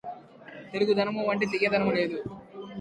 తెలుగుదనమువంటి తీయందనము లేదు